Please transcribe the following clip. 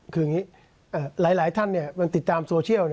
คืออย่างนี้หลายท่านมันติดตามโซเชียล